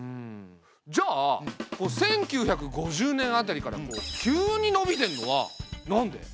じゃあ１９５０年あたりから急にのびてるのはなんで？